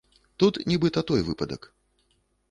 Тут нібыта той выпадак.